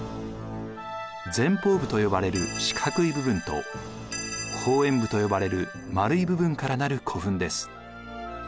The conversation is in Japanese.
前方部と呼ばれる四角い部分と後円部と呼ばれる丸い部分から成る古墳です。